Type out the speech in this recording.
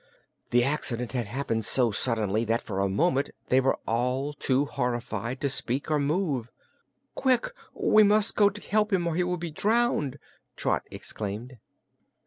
The accident had happened so suddenly that for a moment they were all too horrified to speak or move. "Quick! We must go to help him or he will be drowned," Trot exclaimed.